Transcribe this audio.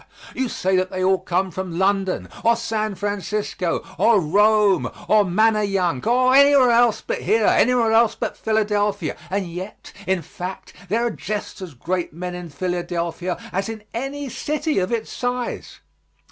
You say that they all come from London, or San Francisco, or Rome, or Manayunk, or anywhere else but here anywhere else but Philadelphia and yet, in fact, there are just as great men in Philadelphia as in any city of its size.